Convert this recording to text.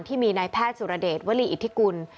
ที่มีนายแพทย์สุรเดชวลีอิทธิกุล